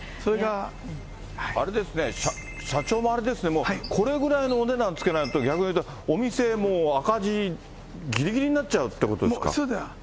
あれですね、社長もあれですね、これぐらいのお値段つけないと、逆に言うと、お店も赤字ぎりぎりになっちゃうということですか。